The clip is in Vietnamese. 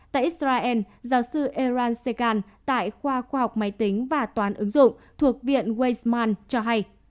tại israel giáo sư eran secan tại khoa khoa học máy tính và toán ứng dụng thuộc viện waysman cho hay